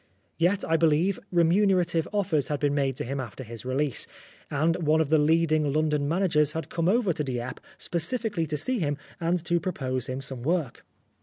Yet, I believe, remunerative offers had been made to him after his release, and one of the leading London managers had come over to Dieppe specially to see him and to propose him some work.